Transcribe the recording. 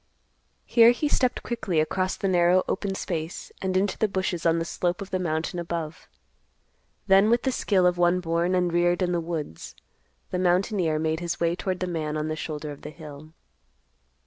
Here he stepped quickly across the narrow open space and into the bushes on the slope of the mountain above. Then with the skill of one born and reared in the woods, the mountaineer made his way toward the man on the shoulder of the hill.